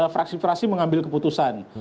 fraksi fraksi mengambil keputusan